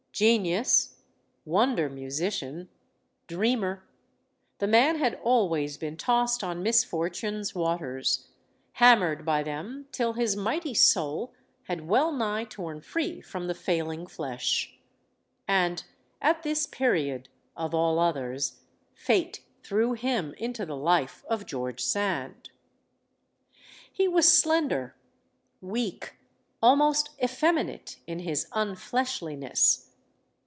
Genius, wonder musician, dreamer, the man had always been tossed on misfortune's waters, hammered by them till his mighty soul had well nigh torn free from the fail ing flesh. And at this period, of all others, fate threw him into the life of George Sand. He was slender, weak, almost effeminate in his unHeshliness.